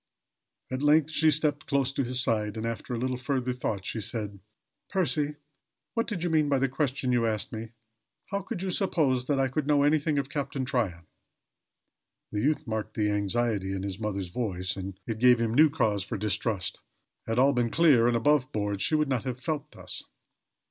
At length she stepped close to his side and after a little further thought she said: "Percy, what did you mean by the question you asked me? How could you suppose that I could know anything of Captain Tryon?" The youth marked the anxiety in his mother's voice and it gave him new cause for distrust. Had all been clear and above board she could not have felt thus.